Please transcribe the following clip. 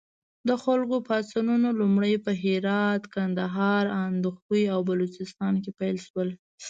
د خلکو پاڅونونه لومړی په هرات، کندهار، اندخوی او بلوچستان کې پیل شول.